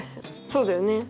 そうだよね。